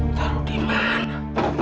taruh di mana